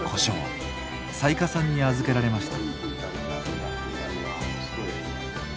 雑賀さんに預けられました。